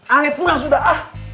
ale pulang sudah ah